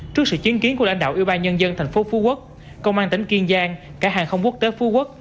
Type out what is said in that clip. trước sự chứng kiến của lãnh đạo ủy ban nhân dân thành phố phú quốc công an tỉnh kiên giang cả hàng không quốc tế phú quốc